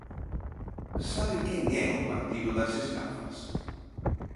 ¿Sabe quen é o partido das estafas?